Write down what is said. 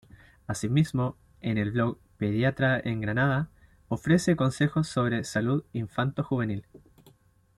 Asímismo, en el blog "Pediatra en Granada" ofrece consejos sobre salud infanto-juvenil.